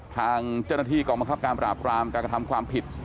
แล้วก็จนที่การบังคับการประบาทกรามการทำความผิด